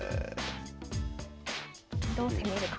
どう攻めるか。